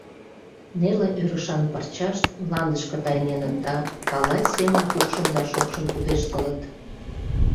Неле ӧрышан парчашт мландышке тайненыт да калай семын кукшын да шокшын пудештылыт.